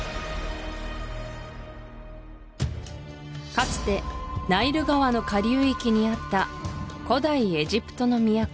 かつてナイル川の下流域にあった古代エジプトの都